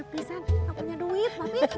udah penyepisan gak punya duit